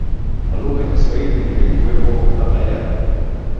kuwa lughaya Kiswahili haikuwepo kabla ya